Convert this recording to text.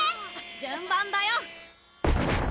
順番だよ